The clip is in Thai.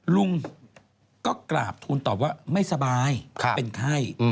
ลุงก็กราบทูลตอบว่าไม่สบายเป็นไข้